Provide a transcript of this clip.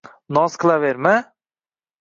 Noz qilaverma.